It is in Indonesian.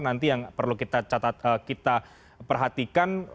nanti yang perlu kita perhatikan